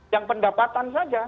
yang pendapatan saja